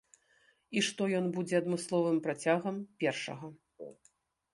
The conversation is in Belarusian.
І што ён будзе адмысловым працягам першага.